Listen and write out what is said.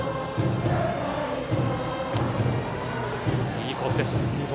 いいコースです。